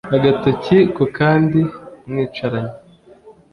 agatoki kukandi mwicaranye